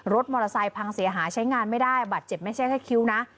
รถมอเตอร์ไซค์พังเสียหายใช้งานไม่ได้บาดเจ็บไม่ใช่แค่คิ้วนะ